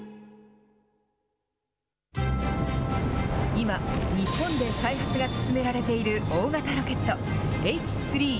今、日本で開発が進められている大型ロケット、Ｈ３。